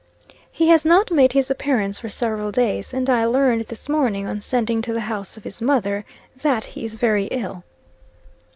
"He has not made his appearance for several days; and I learned this morning, on sending to the house of his mother, that he is very ill."